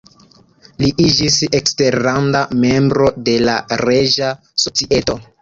Li iĝis eksterlanda membro de la Reĝa Societo.